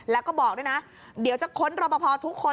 แล้วก็บอกด้วยนะเดี๋ยวจะค้นรอปภทุกคน